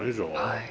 はい。